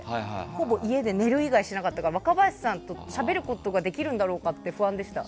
ほぼ家で寝る以外しなかったから若林さんとしゃべることができるんだろうかと不安でした。